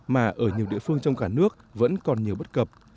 mà ở nhiều địa phương trong cả nước vẫn còn nhiều bất cập